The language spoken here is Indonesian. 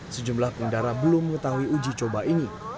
sejumlah pengendara belum mengetahui uji coba ini